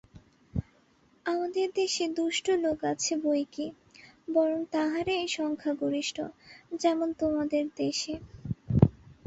আমাদের দেশে দুষ্ট লোক আছে বৈকি, বরং তাহারাই সংখ্যাগরিষ্ঠ, যেমন তোমাদের দেশে।